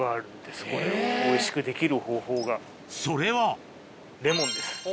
それはレモンです